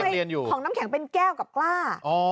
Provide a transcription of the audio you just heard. ต้องเรียนของน้ำแข็งเป็นแก้วกับกล้า